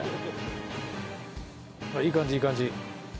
いい感じいい感じ。